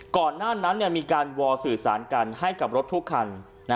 ก่อนหน้านั้นมีการวอลสื่อสารกันให้กับรถทุกคัน